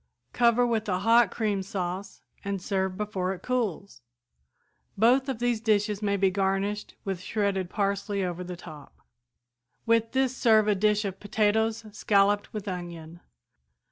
Cover with a hot cream sauce and serve before it cools. Both of these dishes may be garnished with shredded parsley over the top. "With this serve a dish of potatoes scalloped with onion.